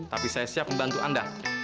tapi saya siap membantu anda